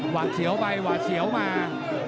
วาดเสียวไปหวาดเสียวมา